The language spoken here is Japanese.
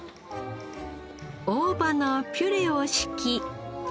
大葉のピュレを敷き。